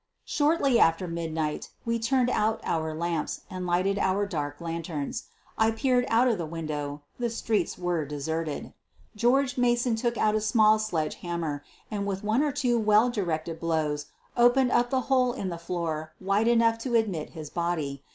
Shortly after midnight we turned out our lamps 134 SOPHIE LYONS and lighted our dark lanterns. I peered out @f tke window — the streets were deserted. George Mason took a small sledge hammer and with one or two well directed blows opened up the hole in the floor wide enough to admit his body.